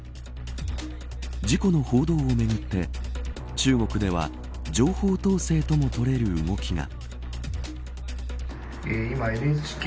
事故の報道をめぐって中国では情報統制ともとれる動きが。